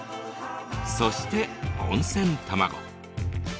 そして、温泉卵。